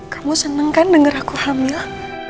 kamu seneng kan denger aku hamil